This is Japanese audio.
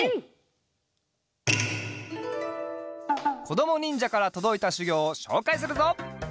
こどもにんじゃからとどいたしゅぎょうをしょうかいするぞ。